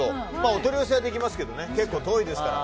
お取り寄せはできますが結構遠いですから。